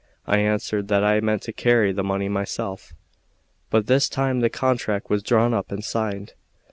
I answered that I meant to carry the money myself. But this time the contract was drawn up and signed.